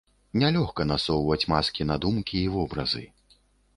Не лёгка насоўваць маскі на думкі і вобразы.